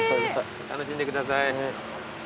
楽しんでください。